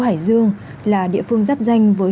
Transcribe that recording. cảm ơn các bạn đã theo dõi